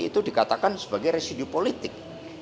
itu dikatakan sebagai residu politik